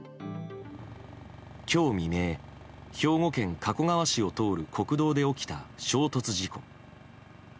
今日未明、兵庫県加古川市を通る国道で起きた衝突事故。